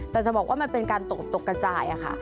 แต่จะบอกว่ามันเป็นการตกตกกระจายค่ะ